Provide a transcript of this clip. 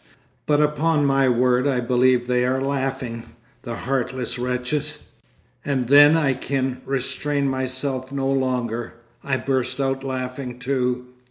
But upon my word I believe they are laughing, the heartless wretches; and then I can restrain myself no longer, I burst out laughing too.